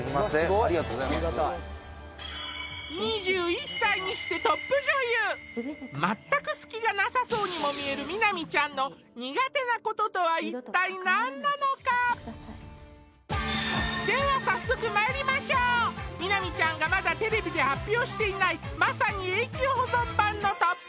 ありがとうございます２１歳にしてトップ女優全く隙がなさそうにも見える美波ちゃんの苦手なこととは一体何なのかでは早速まいりましょう美波ちゃんがまだテレビで発表していないまさに永久保存版のトップ